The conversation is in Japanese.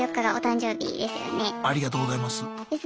ありがとうございます。